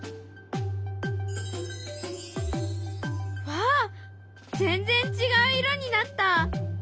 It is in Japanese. わあ全然違う色になった！